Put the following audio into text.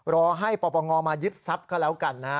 รอให้ปปงมายึดทรัพย์ก็แล้วกันนะฮะ